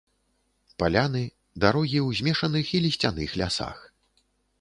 Паляны, дарогі ў змешаных і лісцяных лясах.